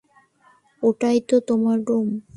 ওটাই তো তোমার রুম।